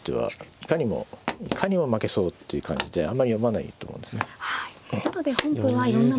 いかにも負けそうっていう感じであんまり読まないと思うんですね。